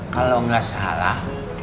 kalau gak salah